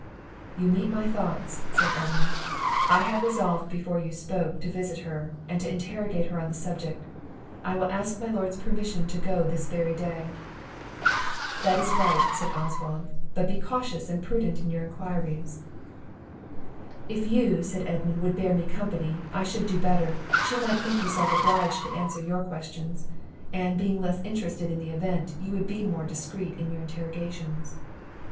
"You meet my thoughts," said Edmund; "I had resolved, before you spoke, to visit her, and to interrogate her on the subject; I will ask my Lord's permission to go this very day." "That is right," said Oswald; "but be cautious and prudent in your enquiries." "If you," said Edmund, "would bear me company, I should do better; she might think herself obliged to answer your questions; and, being less interested in the event, you would be more discreet in your interrogations."